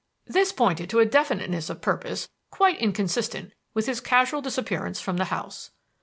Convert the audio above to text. This pointed to a definiteness of purpose quite inconsistent with his casual disappearance from the house.